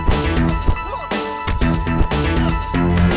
di sini sampai